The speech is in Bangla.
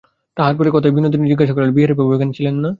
তাহার পরে কথায় কথায় বিনোদিনী জিজ্ঞাসা করিল, বিহারীবাবু এখানে ছিলেন না?